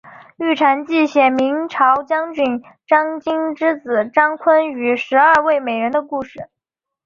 玉蟾记写明朝将军张经之子张昆与十二位美人的故事。